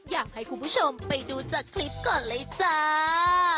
อยากให้คุณผู้ชมไปดูจากคลิปก่อนเลยจ้า